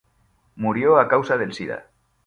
Murió a causa del sida.